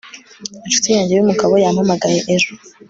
inshuti yanjye yumugabo yampamagaye ejo